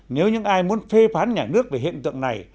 nếu những ai muốn phê phán nhà nước về hiện tượng này